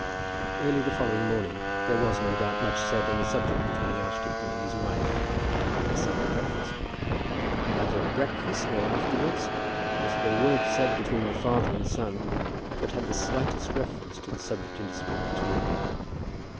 Early on the following morning there was, no doubt, much said on the subject between the archdeacon and his wife before they met their son at breakfast; but neither at breakfast nor afterwards was there a word said between the father and son that had the slightest reference to the subject in dispute between them.